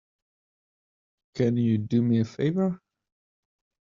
Can you do me a favor?